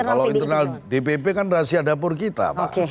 kalau internal dpp kan rahasia dapur kita pak